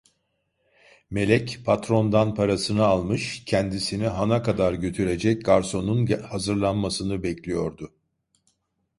Melek patrondan parasını almış, kendisini hana kadar götürecek garsonun hazırlanmasını bekliyordu.